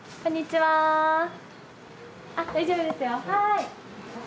はい。